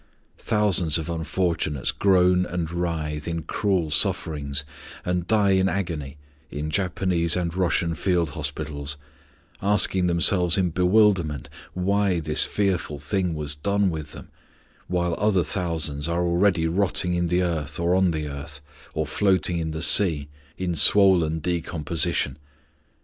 Thousands of unfortunates groan and writhe in cruel sufferings and die in agony in Japanese and Russian field hospitals, asking themselves in bewilderment why this fearful thing was done with them, while other thousands are already rotting in the earth or on the earth, or floating in the sea, in swollen decomposition.